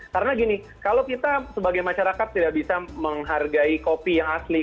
karena gini kalau kita sebagai masyarakat tidak bisa menghargai kopi yang asli